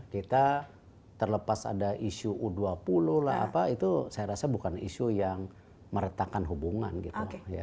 kita terlepas ada isu u dua puluh lah apa itu saya rasa bukan isu yang meretakan hubungan gitu